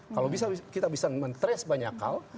kalau kita bisa men trace banyak hal